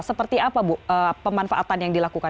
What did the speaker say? seperti apa bu pemanfaatan yang dilakukan